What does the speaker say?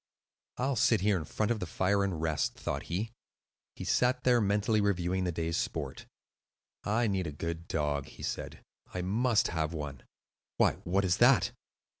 "I'll sit here in front of the fire and rest," thought he. He sat there mentally reviewing the day's sport. "I need a good dog," he said. "I must have one. Why, what is that?"